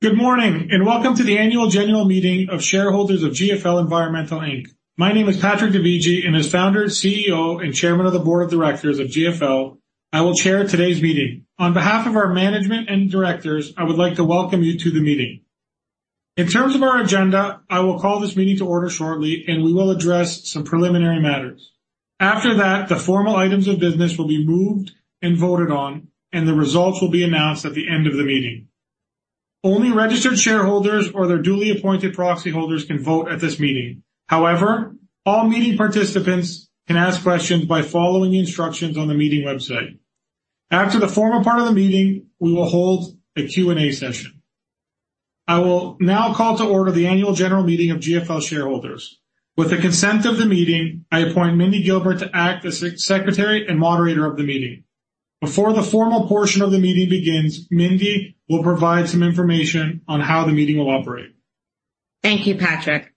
Good morning and welcome to the annual general meeting of shareholders of GFL Environmental Inc. My name is Patrick Dovigi and as Founder, CEO, and Chairman of the board of directors of GFL, I will chair today's meeting. On behalf of our management and directors, I would like to welcome you to the meeting. In terms of our agenda, I will call this meeting to order shortly and we will address some preliminary matters. After that, the formal items of business will be moved and voted on, and the results will be announced at the end of the meeting. Only registered shareholders or their duly appointed proxy holders can vote at this meeting. However, all meeting participants can ask questions by following the instructions on the meeting website. After the formal part of the meeting, we will hold a Q&A session. I will now call to order the annual general meeting of GFL shareholders. With the consent of the meeting, I appoint Mindy Gilbert to act as secretary and moderator of the meeting. Before the formal portion of the meeting begins, Mindy will provide some information on how the meeting will operate. Thank you, Patrick.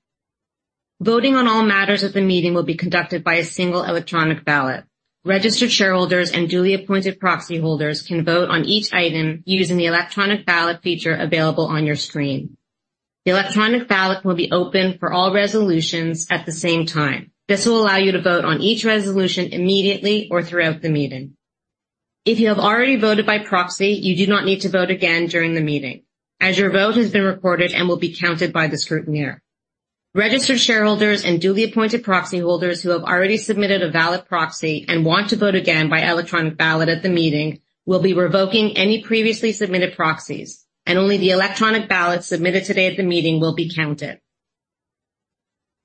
Voting on all matters at the meeting will be conducted by a single electronic ballot. Registered shareholders and duly appointed proxy holders can vote on each item using the electronic ballot feature available on your screen. The electronic ballot will be open for all resolutions at the same time. This will allow you to vote on each resolution immediately or throughout the meeting. If you have already voted by proxy, you do not need to vote again during the meeting, as your vote has been recorded and will be counted by the scrutineer. Registered shareholders and duly appointed proxy holders who have already submitted a valid proxy and want to vote again by electronic ballot at the meeting will be revoking any previously submitted proxies, and only the electronic ballot submitted today at the meeting will be counted.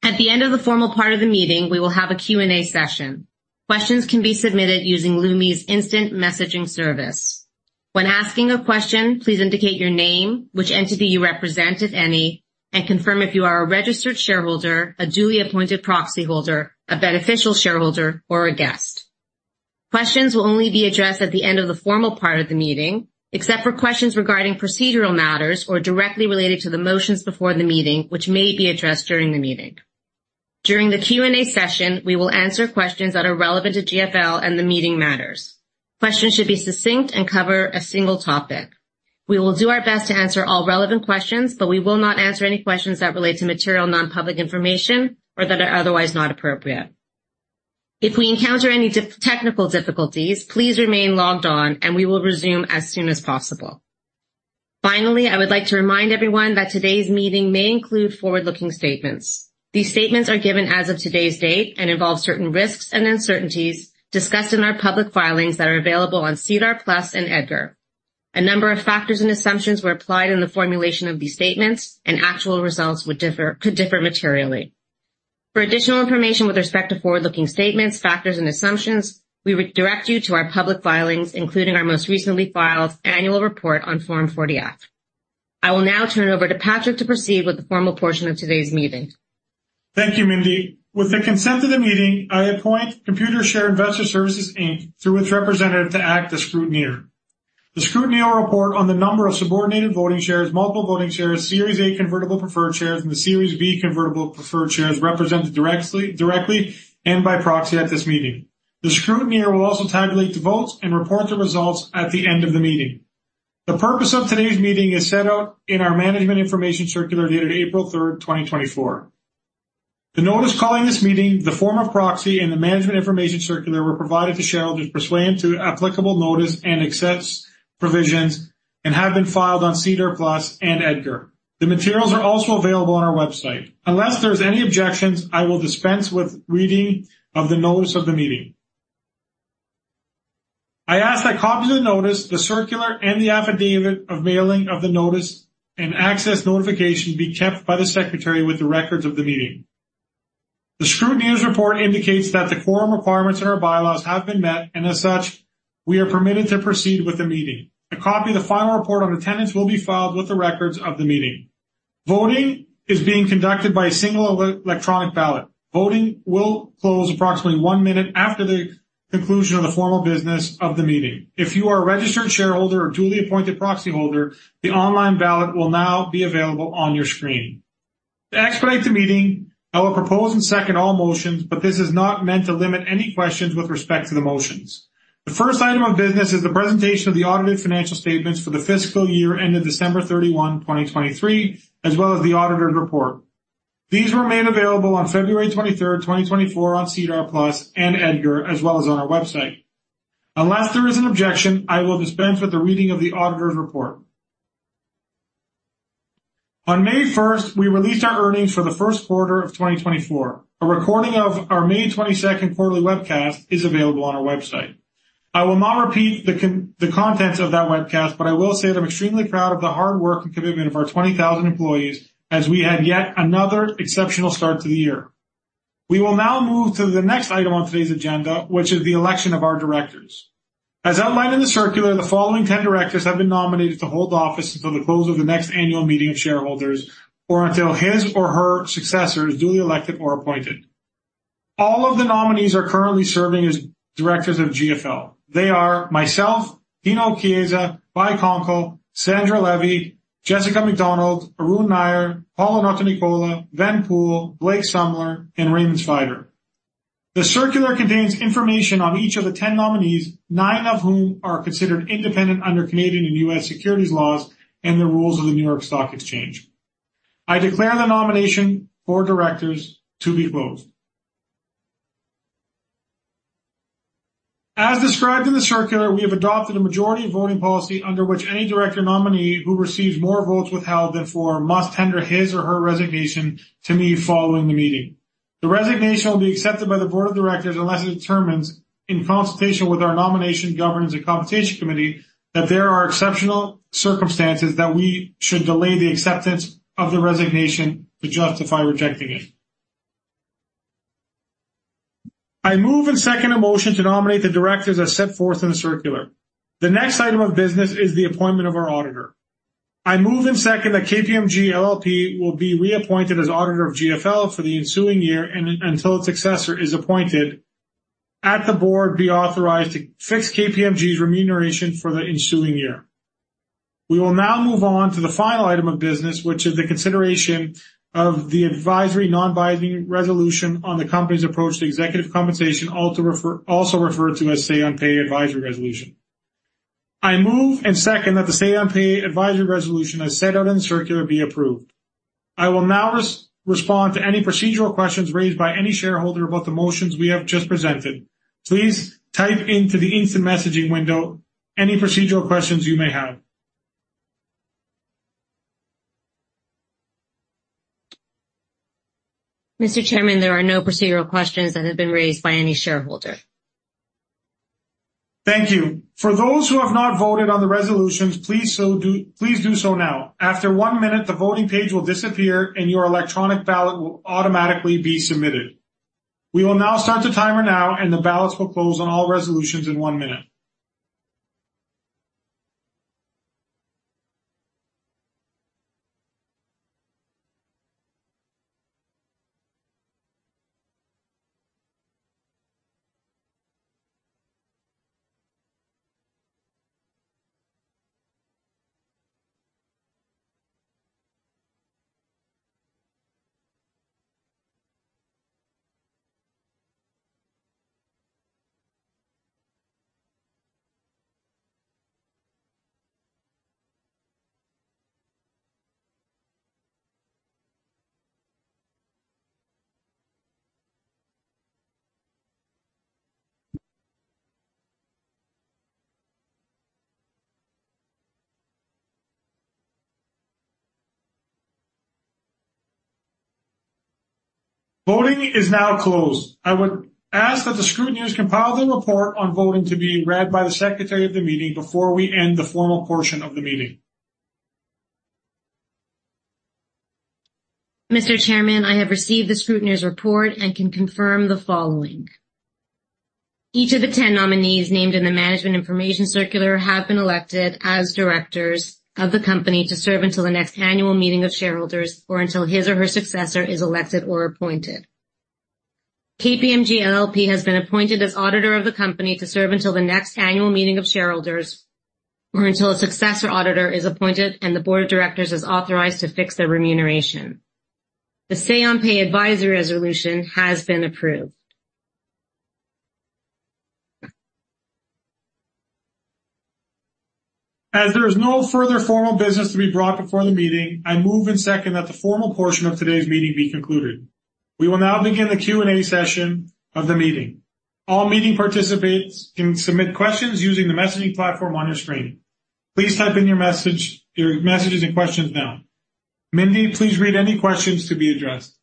At the end of the formal part of the meeting, we will have a Q&A session. Questions can be submitted using Lumi's instant messaging service. When asking a question, please indicate your name, which entity you represent, if any, and confirm if you are a registered shareholder, a duly appointed proxy holder, a beneficial shareholder, or a guest. Questions will only be addressed at the end of the formal part of the meeting, except for questions regarding procedural matters or directly related to the motions before the meeting, which may be addressed during the meeting. During the Q&A session, we will answer questions that are relevant to GFL and the meeting matters. Questions should be succinct and cover a single topic. We will do our best to answer all relevant questions, but we will not answer any questions that relate to material nonpublic information or that are otherwise not appropriate. If we encounter any technical difficulties, please remain logged on and we will resume as soon as possible. Finally, I would like to remind everyone that today's meeting may include forward-looking statements. These statements are given as of today's date and involve certain risks and uncertainties discussed in our public filings that are available on CEDAR+ and EDGAR. A number of factors and assumptions were applied in the formulation of these statements, and actual results could differ materially. For additional information with respect to forward-looking statements, factors, and assumptions, we redirect you to our public filings, including our most recently filed annual report on Form 40F. I will now turn it over to Patrick to proceed with the formal portion of today's meeting. Thank you, Mindy. With the consent of the meeting, I appoint Computershare Investor Services Inc., through its representative to act as scrutineer. The scrutineer will report on the number of subordinated voting shares, multiple voting shares, Series A convertible preferred shares, and the Series B convertible preferred shares represented directly and by proxy at this meeting. The scrutineer will also tabulate the votes and report the results at the end of the meeting. The purpose of today's meeting is set out in our management information circular dated April 3rd, 2024. The notice calling this meeting, the form of proxy, and the management information circular were provided to shareholders pursuant to applicable notice and access provisions and have been filed on CEDAR+ and EDGAR. The materials are also available on our website. Unless there are any objections, I will dispense with reading of the notice of the meeting. I ask that copies of the notice, the circular, and the affidavit of mailing of the notice and access notification be kept by the secretary with the records of the meeting. The scrutineer's report indicates that the quorum requirements in our bylaws have been met, and as such, we are permitted to proceed with the meeting. A copy of the final report on attendance will be filed with the records of the meeting. Voting is being conducted by a single electronic ballot. Voting will close approximately one minute after the conclusion of the formal business of the meeting. If you are a registered shareholder or duly appointed proxy holder, the online ballot will now be available on your screen. To expedite the meeting, I will propose and second all motions, but this is not meant to limit any questions with respect to the motions. The first item of business is the presentation of the audited financial statements for the fiscal year ended December 31, 2023, as well as the auditor's report. These were made available on February 23rd, 2024, on CEDAR+ and EDGAR, as well as on our website. Unless there is an objection, I will dispense with the reading of the auditor's report. On May 1st, we released our earnings for the first quarter of 2024. A recording of our May 22nd quarterly webcast is available on our website. I will not repeat the contents of that webcast, but I will say that I'm extremely proud of the hard work and commitment of our 20,000 employees as we had yet another exceptional start to the year. We will now move to the next item on today's agenda, which is the election of our directors. As outlined in the circular, the following 10 directors have been nominated to hold office until the close of the next annual meeting of shareholders or until his or her successors are duly elected or appointed. All of the nominees are currently serving as directors of GFL. They are myself, Dino Chiesa, Violet Konkle, Sandra Levy, Jessica McDonald, Arun Nayar, Paolo Notarnicola, Ven Poole, Blake Sumler, and Raymond Svider. The circular contains information on each of the 10 nominees, nine of whom are considered independent under Canadian and U.S. securities laws and the rules of the New York Stock Exchange. I declare the nomination for directors to be closed. As described in the circular, we have adopted a majority voting policy under which any director nominee who receives more votes withheld than four must tender his or her resignation to me following the meeting. The resignation will be accepted by the board of directors unless it determines, in consultation with our Nomination, Governance and Compensation Committee, that there are exceptional circumstances that we should delay the acceptance of the resignation to justify rejecting it. I move and second a motion to nominate the directors as set forth in the circular. The next item of business is the appointment of our auditor. I move and second that KPMG LLP will be reappointed as auditor of GFL for the ensuing year until its successor is appointed and that the board be authorized to fix KPMG's remuneration for the ensuing year. We will now move on to the final item of business, which is the consideration of the advisory non-binding resolution on the company's approach to executive compensation, also referred to as the say-on-pay advisory resolution. I move and second that the say-on-pay advisory resolution as set out in the circular be approved. I will now respond to any procedural questions raised by any shareholder about the motions we have just presented. Please type into the instant messaging window any procedural questions you may have. Mr. Chairman, there are no procedural questions that have been raised by any shareholder. Thank you. For those who have not voted on the resolutions, please do so now. After 1 minute, the voting page will disappear and your electronic ballot will automatically be submitted. We will now start the timer now and the ballots will close on all resolutions in 1 minute. Voting is now closed. I would ask that the scrutineers compile their report on voting to be read by the secretary of the meeting before we end the formal portion of the meeting. Mr. Chairman, I have received the scrutineer's report and can confirm the following. Each of the 10 nominees named in the management information circular have been elected as directors of the company to serve until the next annual meeting of shareholders or until his or her successor is elected or appointed. KPMG LLP has been appointed as auditor of the company to serve until the next annual meeting of shareholders or until a successor auditor is appointed and the board of directors is authorized to fix their remuneration. The say-on-pay advisory resolution has been approved. As there is no further formal business to be brought before the meeting, I move and second that the formal portion of today's meeting be concluded. We will now begin the Q&A session of the meeting. All meeting participants can submit questions using the messaging platform on your screen. Please type in your messages and questions now. Mindy, please read any questions to be addressed.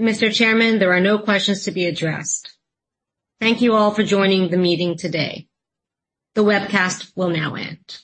Mr. Chairman, there are no questions to be addressed. Thank you all for joining the meeting today. The webcast will now end.